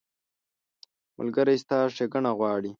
ملګری ستا ښېګڼه غواړي.